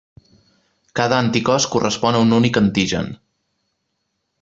Cada anticòs correspon a un únic antigen.